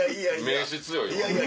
名刺強いわ。